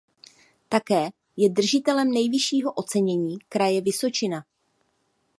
Také je držitelem nejvyššího ocenění Kraje Vysočina.